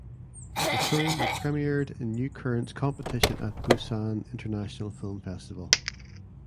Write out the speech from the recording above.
The film was premiered in New Currents competition at Busan International Film Festival.